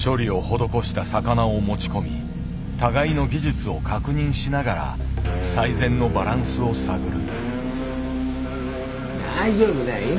処理を施した魚を持ち込み互いの技術を確認しながら最善のバランスを探る。